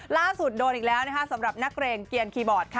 ล่าสุดโดนอีกแล้วสำหรับนักเกรงเกลียนคีย์บอร์ด